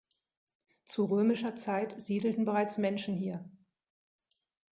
Zu römischer Zeit siedelten bereits Menschen hier.